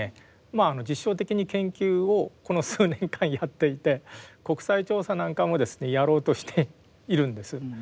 まあ実証的に研究をこの数年間やっていて国際調査なんかもですねやろうとしているんです。